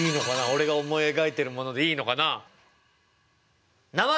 俺が思い描いてるものでいいのかな。